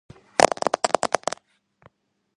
მზე ჩემი კარგი მეგობარია.